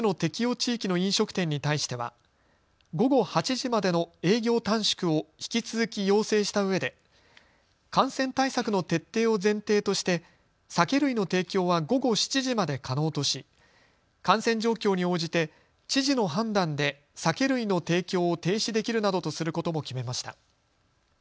地域の飲食店に対しては午後８時までの営業短縮を引き続き要請したうえで感染対策の徹底を前提として酒類の提供は午後７時まで可能とし感染状況に応じて知事の判断で酒類の提供を停止できるなどとすることも決めました。